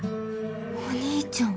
お兄ちゃん。